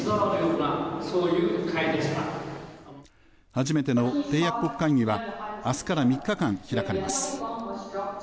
初めての締約国会議には明日から３日間開かれます